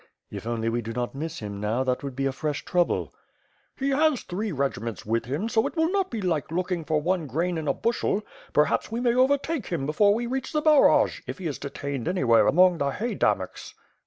"If only we do not miss him now, that would be a fresh trouble." "He has three regiments with him, so it will not be like looking for one grain in a bushel; perhaps we may overtake him before we reach Zbaraj, if he is detained anywhere among the haydamaks."